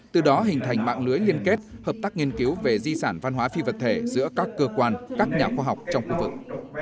từ đó hình thành mạng lưới liên kết hợp tác nghiên cứu về di sản văn hóa phi vật thể giữa các cơ quan các nhà khoa học trong khu vực